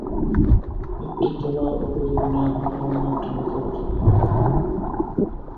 একটি তোমার উপযোগী না হইলে অন্য একটি হয়তো উপযোগী হইবে।